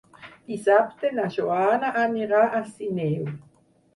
Dissabte na Joana anirà a Sineu.